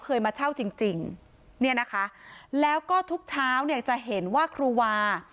เคยมาเช่าจริงแล้วก็ทุกเช้าจะเห็นว่าครูวา